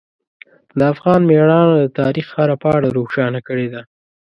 د افغان میړانه د تاریخ هره پاڼه روښانه کړې ده.